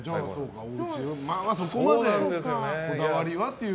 そこまでこだわりはっていう。